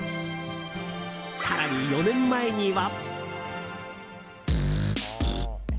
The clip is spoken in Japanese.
更に４年前には。